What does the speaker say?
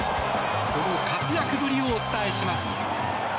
その活躍ぶりをお伝えします。